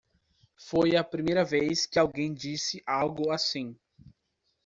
Foi a primeira vez que alguém disse algo assim.